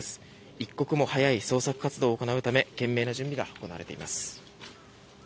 一刻も早い捜索活動を行うため懸命な準備が行われています。